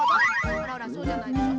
あらあらそうじゃないでしょ。